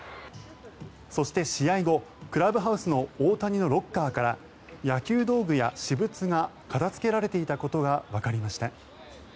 そして試合後、クラブハウスの大谷のロッカーから野球道具や私物が片付けられていたことがわかりました。